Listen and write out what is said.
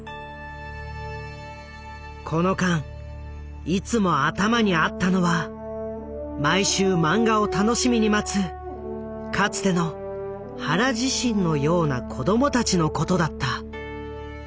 この間いつも頭にあったのは毎週漫画を楽しみに待つかつての原自身のような子供たちのことだった。